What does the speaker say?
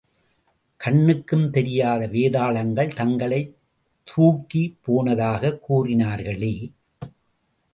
கண்ணுக்குத் தெரியாத வேதாளங்கள் தங்களைத் தூக்கி போனதாகக் கூறினார்களே!